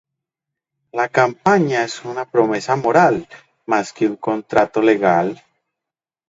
La campaña es una promesa moral más que un contrato legal.